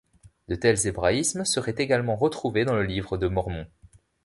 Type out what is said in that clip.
De tels hébraïsmes seraient également retrouvés dans le Livre de Mormon.